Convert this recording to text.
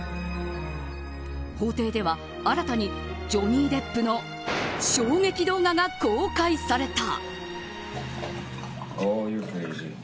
法廷では新たにジョニー・デップの衝撃動画が公開された。